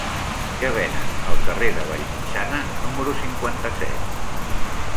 Què venen al carrer de Vallmitjana número cinquanta-set?